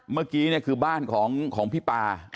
เมื่อกี้เนี่ยคือบ้านของพี่ปา